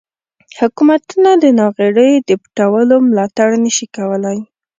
حکومتونه د ناغیړیو د پټولو ملاتړ نشي کولای.